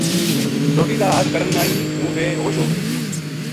روٹی دا ہتھ کرن نال ہی ہوں بے ہوش ہو گیو